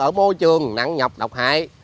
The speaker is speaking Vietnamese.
ở môi trường nặng nhập độc hại